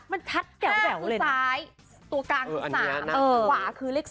มันชัดแก๋วเลยน่ะตัวซ้ายตัวกลางคือ๓ขวาคือเลข๐